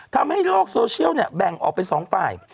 ทำให้โลกโซเชียลแบ่งออกเป็น๒ฝ่าย